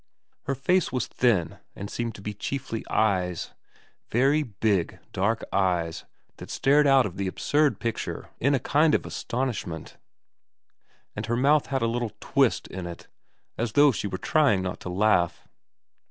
Her face was thin and seemed to be chiefly eyes, very big dark eyes that stared out of the absurd picture in a kind of astonishment, and her mouth had a little twist in it as though she were trying not to laugh.